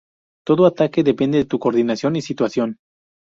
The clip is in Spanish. Todo ataque depende de tu coordinación y situación.